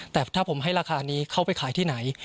แต่ถ้าผมให้ราคานี้เข้าไปขายที่ไหน